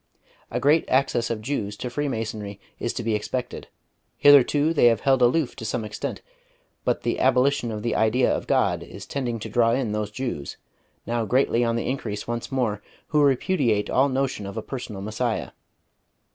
A great access of Jews to Freemasonry is to be expected; hitherto they have held aloof to some extent, but the 'abolition of the Idea of God' is tending to draw in those Jews, now greatly on the increase once more, who repudiate all notion of a personal Messiah.